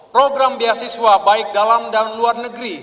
program beasiswa baik dalam dan luar negeri